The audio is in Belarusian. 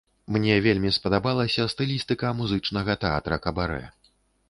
Мне вельмі спадабалася стылістыка музычнага тэатра кабарэ.